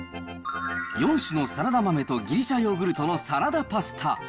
４種のサラダ豆とギリシャヨーグルトのサラダパスタ。